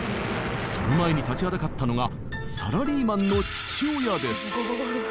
その前に立ちはだかったのがサラリーマンの父親です。